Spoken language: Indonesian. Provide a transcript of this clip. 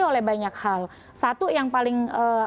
oleh banyak hal satu yang paling